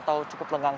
atau cukup lengang